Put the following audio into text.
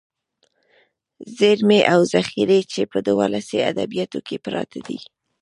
ذېرمې او ذخيرې چې په ولسي ادبياتو کې پراتې دي.